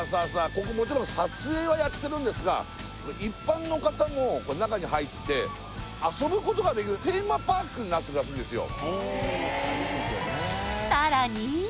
ここもちろん撮影はやってるんですが一般の方も中に入って遊ぶことができるテーマパークになってるらしいんですよ